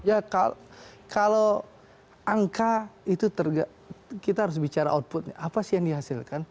ya kalau angka itu kita harus bicara outputnya apa sih yang dihasilkan